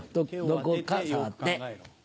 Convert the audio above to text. どこか触って。